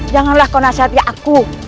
janganlah kau nasihatnya aku